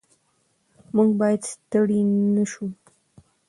موږ باید ستړي نه شو.